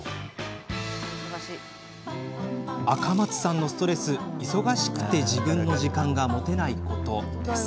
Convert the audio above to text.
赤松さんのストレス、忙しくて自分の時間が持てないこと。